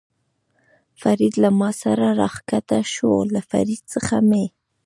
فرید له ما سره را کښته شو، له فرید څخه مې.